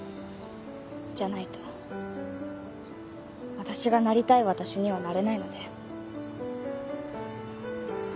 じゃないと私がなりたい私にはなれないので。